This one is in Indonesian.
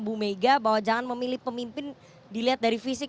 bu mega bahwa jangan memilih pemimpin dilihat dari fisik